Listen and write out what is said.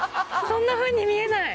そんなふうに見えない。